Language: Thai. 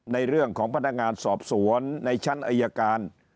ในเรื่องของพนักงานสอบสวนในชั้นอายการ